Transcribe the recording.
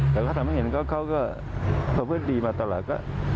แต่เขาทำให้เห็นเขาเพื่อนดีมาตลอด